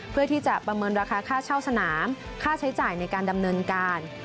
เพื่อที่จะประเมินราคาค่าเช่าสนามค่าใช้จ่ายในการดำเนินการ